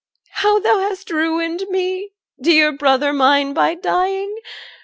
How thou hast ruined me, dear brother mine, By dying!